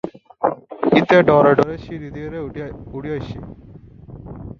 সে ভয়ে-ভয়ে সিঁড়ি দিয়ে উঠে আসছে।